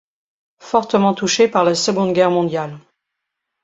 Fortement touchée par la Seconde Guerre mondiale.